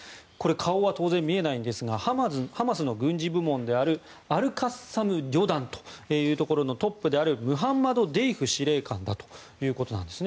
顔は当然見えないんですがハマスの軍事部門であるアルカッサム旅団というところのトップであるムハンマド・デイフ司令官だということです。